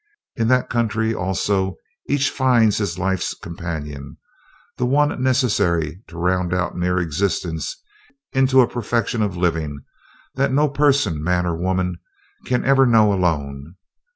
In that country also each finds his life's companion, the one necessary to round out mere existence into a perfection of living that no person, man or woman, can ever know alone.